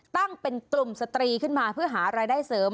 ตั้งเป็นกลุ่มสตรีขึ้นมาเพื่อหารายได้เสริม